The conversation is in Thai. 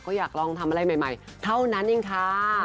ก็อยากลองทำอะไรใหม่เท่านั้นเองค่ะ